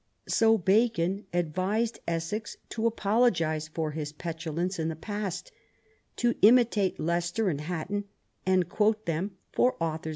" So Bacon advised Essex to apologise for his petulance in the past ; to imitate Leicester and Hatton, and quote them "for authors THE NEW ENGLAND.